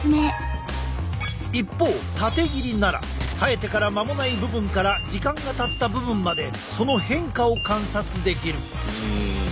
一方縦切りなら生えてから間もない部分から時間がたった部分までその変化を観察できる。